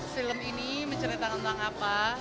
film ini menceritakan tentang apa